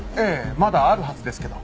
まだあるはずですけど。